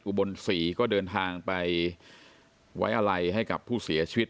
รีฟอุบลสีก็เดินทางไปไว้มาไลล์ให้กับผู้เสียชีวิต